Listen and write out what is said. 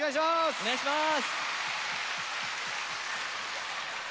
お願いします。